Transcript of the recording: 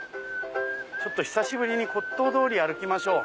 ちょっと久しぶりに骨董通り歩きましょう。